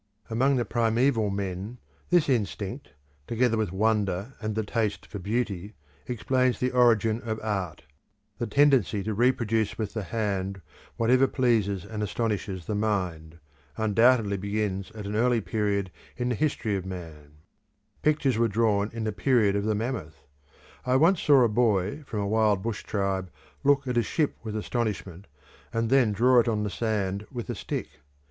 Among the primeval men this instinct, together with wonder and the taste for beauty, explains the origin of art: The tendency to reproduce with the hand whatever pleases and astonishes the mind, undoubtedly begins at an early period in the history of man; pictures were drawn in the period of the mammoth; I once saw a boy from a wild bush tribe look at a ship with astonishment and then draw it on the sand with a stick.